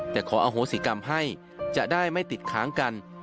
แต่ขออโหสิกรรมให้จะได้ไม่ติดค้างกัน